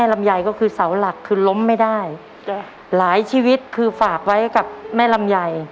ลำไยก็คือเสาหลักคือล้มไม่ได้หลายชีวิตคือฝากไว้กับแม่ลำไย